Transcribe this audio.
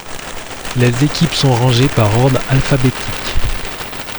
Les équipes sont rangées par ordre alphabétique.